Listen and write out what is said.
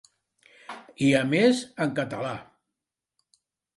I, a més, en català.